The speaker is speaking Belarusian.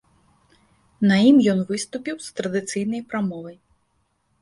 На ім ён выступіў з традыцыйнай прамовай.